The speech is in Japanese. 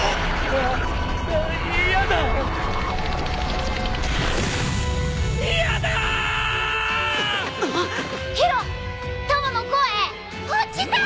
こっちさ！